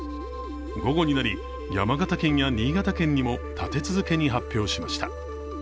午後になり、山形県や新潟県にも立て続けに発表しました。